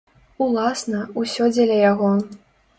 Уласна, усё дзеля яго.